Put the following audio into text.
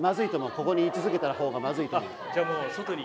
ここに居続けたほうがまずいと思う。